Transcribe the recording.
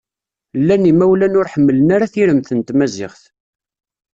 Llan imawlan ur ḥemmlen ara tiremt n tmaziɣt.